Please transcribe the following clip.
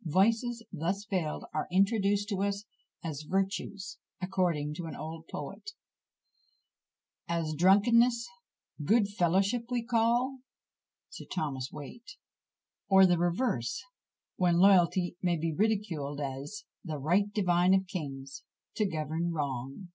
Vices, thus veiled, are introduced to us as virtues, according to an old poet, As drunkenness, good fellowship we call? SIR THOMAS WIAT. Or the reverse, when loyalty may be ridiculed, as The right divine of kings to govern wrong!